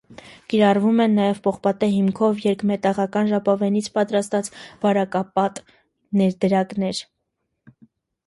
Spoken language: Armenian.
Կիրառվում են նաե պողպատե հիմքով երկմետաաղական ժապավենից պատրաստված բարակապատ ներդրակներ։